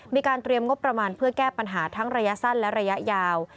มีการเตรียมงบประมาณเพื่อแก้ปัญหาทั้งระยะสั้นและระยะยาว